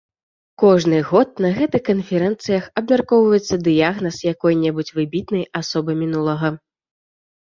Кожны год на гэтых канферэнцыях абмяркоўваецца дыягназ якой-небудзь выбітнай асобы мінулага.